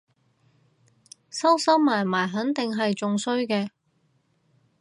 收收埋埋肯定係仲衰嘅